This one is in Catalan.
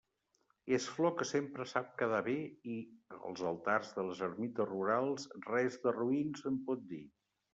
És flor que sempre sap quedar bé i, als altars de les ermites rurals res de roín se'n pot dir.